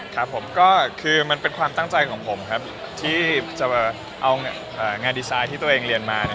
ครับผมก็คือมันเป็นความตั้งใจของผมครับที่จะเอางานดีไซน์ที่ตัวเองเรียนมา